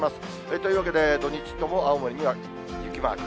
というわけで、土日とも青森には雪マーク。